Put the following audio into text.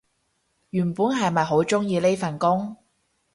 原本係咪好鍾意呢份工